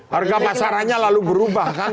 harga pasarannya lalu berubah kan